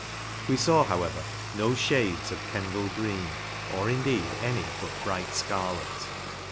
We faw, however, no fhades of " Kendal green,'* or, indeed, any but bright fcarlet.